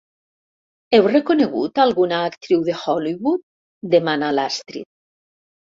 Heu reconegut alguna actriu de Hollywood? —demana l'Astrid.